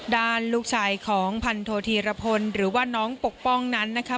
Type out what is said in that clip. ด้านลูกชายของพันโทธีรพลหรือว่าน้องปกป้องนั้นนะคะ